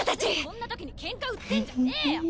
こんなときにケンカ売ってんじゃねぇよ！